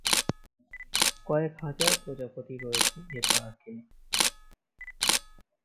কয়েক হাজার প্রজাপতি রয়েছে এ পার্কে।